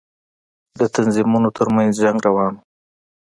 د تنظيمونو تر منځ جنگ روان و.